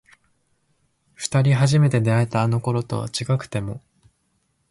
二人初めて出会えたあの頃とは違くても